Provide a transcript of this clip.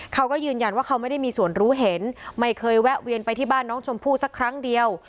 เขาก็ยืนยันว่าเขาไม่ได้มีส่วนรู้เห็นไม่เคยแวะเวียนไปที่บ้านน้องชมพู่สักครั้งเดียว